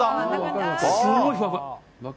すごいふわふわ。